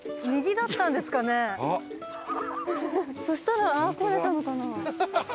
そしたらああ来れたのかな？